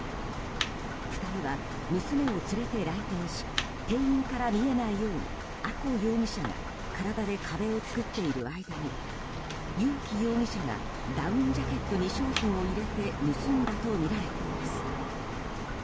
２人は娘を連れて来店し店員から見えないようにあこ容疑者が体で壁を作っている間に雄喜容疑者がダウンジャケットに商品を入れて盗んだとみられています。